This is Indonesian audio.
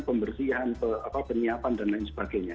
pembersihan penyiapan dan lain sebagainya